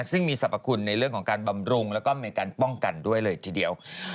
ซึ่งมีสรรพคุณในเรื่องของการบำรุงแล้วก็มีการป้องกันด้วยเลยทีเดียว